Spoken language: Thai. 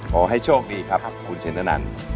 ขอให้โชคดีครับครับคุณเชนดนั่น